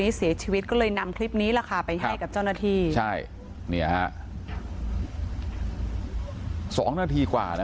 เสียชีวิตก็เลยนำคลิปนี้แหละค่ะไปให้กับเจ้าหน้าที่ใช่เนี่ยฮะสองนาทีกว่านะ